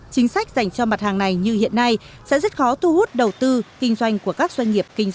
chính sách dành cho mặt hàng này như hiện nay sẽ rất khó thu hút đầu tư kinh doanh của các doanh